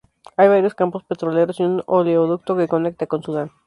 Hay varios campos petroleros y un oleoducto que conecta con Sudán.